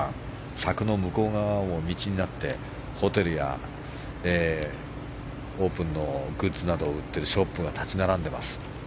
柵の向こう側は道になってホテルやオープンのグッズなどを売っているショップが立ち並んでます。